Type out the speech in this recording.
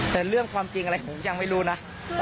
แต่เรื่องความจริงอะไรผมยังไม่รู้นะ